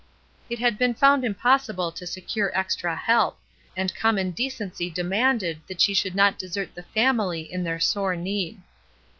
It had been found impossible to secure extra help, and common decency de manded that she should not desert the family in their sore need.